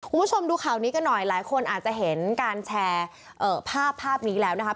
คุณผู้ชมดูข่าวนี้กันหน่อยหลายคนอาจจะเห็นการแชร์ภาพภาพนี้แล้วนะครับ